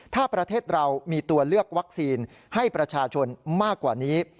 ถ้าประเทศเรามีตัวเลือกวัคซีนให้ประชาชนมากกว่านี้